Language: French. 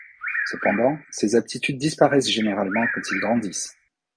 Cependant, ces aptitudes disparaissent généralement quand ils grandissent.